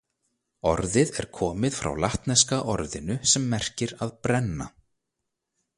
Orðið er komið frá latneska orðinu sem merkir að brenna.